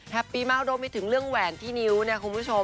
แฮปปี้มากโดยไม่ถึงเรื่องแหวนที่นิ้วคุณผู้ชม